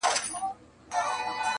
جهاني نن مي له زاهده نوې واورېدله،